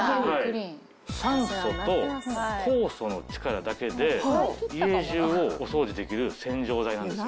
酸素と酵素の力だけで家中をお掃除できる洗浄剤なんですよ。